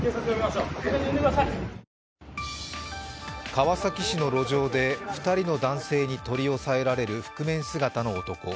川崎市の路上で、２人の男性に取り押さえられる覆面姿の男。